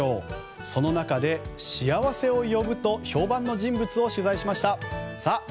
その中で幸せを呼ぶと評判の人物を取材しました。